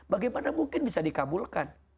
bagaimana mungkin bisa dikabulkan